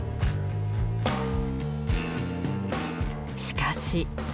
しかし。